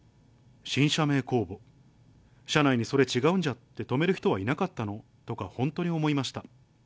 新社名公募、社内にそれ違うんじゃ？って止める人はいなかったの？とか本当に思いました。